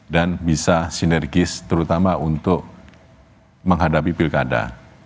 dan bisa sinergis terutama untuk menghadapi pilkada